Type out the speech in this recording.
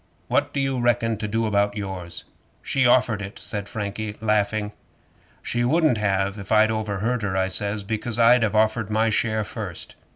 "What do you reckon to do about yours?" '"She offered it," said Frankie, laughing. '"She wouldn't have if I'd overheard her," I says; "because I'd have offered my share first."